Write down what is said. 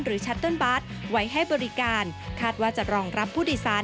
ชัตเติ้ลบัสไว้ให้บริการคาดว่าจะรองรับผู้โดยสาร